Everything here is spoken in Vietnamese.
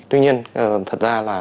tuy nhiên thật ra là